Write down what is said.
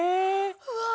うわ！